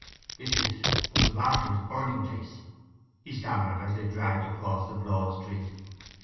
"This—is th' Martyrs'—burning place," he stammered as they dragged across a broad street.